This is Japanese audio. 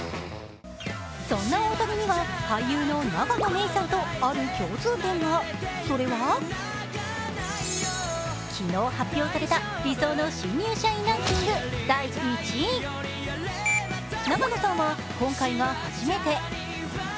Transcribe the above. そんな大谷には俳優の永野芽郁さんと、ある共通点が、それは昨日発表された理想の新入社員ランキング第１位、永野さんは今回が初めて。